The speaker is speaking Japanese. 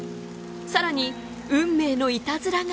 更に運命のいたずらが。